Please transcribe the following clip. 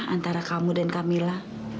antara kamu dan camilla